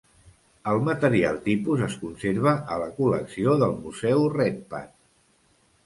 El material tipus es conserva a la col·lecció del Museu Redpath.